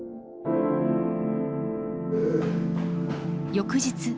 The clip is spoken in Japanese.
翌日。